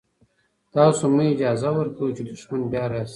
تاسو مه اجازه ورکوئ چې دښمن بیا راشي.